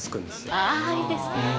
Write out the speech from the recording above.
ああ、いいですね。